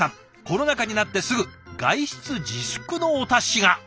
コロナ禍になってすぐ外出自粛のお達しが。